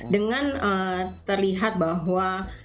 dengan terlihat bahwa